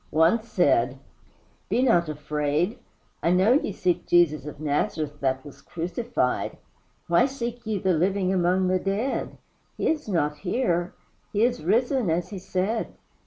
One said: "Be not afraid. I know ye seek Jesus of Nazareth that was crucified. Why seek ye the living among the dead? He is not here. He is risen as he said.